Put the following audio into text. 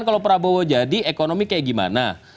kalau prabowo jadi ekonomi seperti apa